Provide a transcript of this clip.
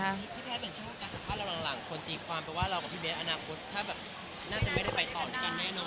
พี่แพทย์มันชอบการสัมผัสเราหลังคนติดความว่าเรากับพี่เบนอนาคตถ้าน่าจะไม่ได้ไปต่อกันแน่นอน